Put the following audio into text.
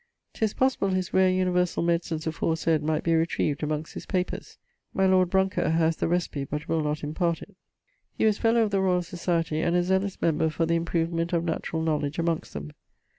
'Tis possible his rare universall medicines aforesayd might be retrived amongst his papers. My Lord Brounker has the recipe but will not impart it. He was fellowe of the Royall Societie, and a zealous member for the improvement of naturall knowledge amongst them.